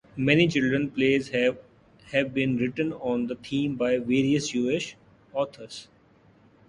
Many children's plays have also been written on the theme by various Jewish authors.